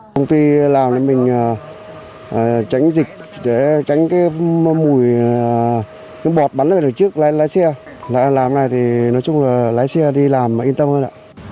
công ty làm để mình tránh dịch tránh cái mùi bọt bắn ở trước lái xe làm này thì nói chung là lái xe đi làm mà yên tâm hơn